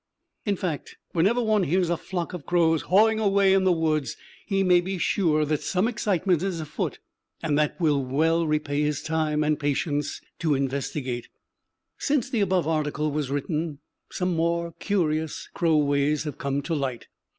In fact, whenever one hears a flock of crows hawing away in the woods, he may be sure that some excitement is afoot that will well repay his time and patience to investigate. Since the above article was written, some more curious crow ways have come to light.